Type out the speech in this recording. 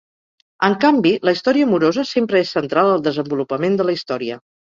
En canvi, la història amorosa sempre és central al desenvolupament de la història.